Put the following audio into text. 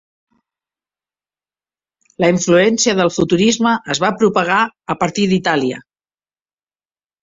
La influència del futurisme es va propagar a partir d'Itàlia.